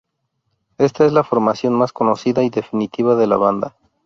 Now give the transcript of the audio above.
Esta es la formación más conocida y definitiva de la banda.